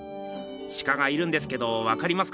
シカがいるんですけどわかりますか？